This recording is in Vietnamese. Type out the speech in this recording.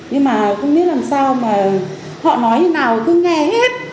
nhưng mà không biết làm sao mà họ nói như nào cứ nghe hết